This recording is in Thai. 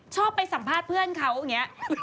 ชอบไปสัมภาษณ์เพื่อนเขาอย่างนี้